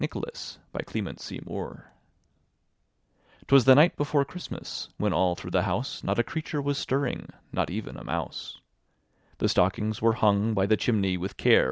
NICHOLAS 'TwA3 the night before Chriatmaa, when all through the house Not a creature was stirring, not even a mouse; The stockings were hung by the chimney with care.